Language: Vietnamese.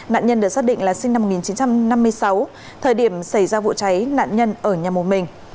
nạn nhân được xác định là sinh năm một nghìn chín trăm năm mươi sáu thời điểm xảy ra vụ cháy nạn nhân ở nhà một mình